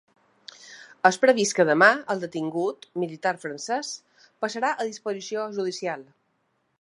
És previst que demà el detingut, militar francès, passarà a disposició judicial.